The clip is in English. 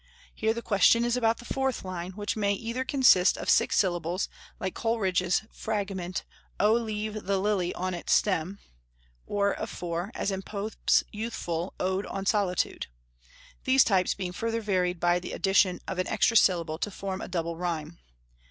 Here the question is about the fourth line, which may either consist of six syllables, like Coleridge's Fragment, "O leave the lily on its stem," or of four, as in Pope's youthful "Ode on Solitude," these types being further varied by the addition of an extra syllable to form a double rhyme.